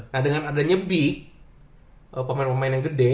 nah dengan adanya bi pemain pemain yang gede